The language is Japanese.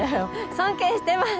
尊敬してます！